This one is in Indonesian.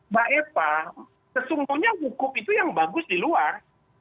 mbak eva sesungguhnya buku itu yang bagus di luar